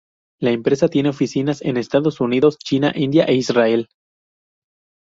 La empresa tiene oficinas en Estados Unidos, China, India e Israel.